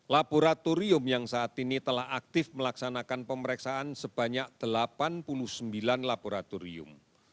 laboratorium yang saat ini telah aktif melaksanakan pemeriksaan sebanyak delapan puluh sembilan laboratorium